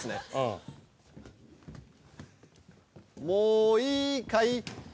もういいかい？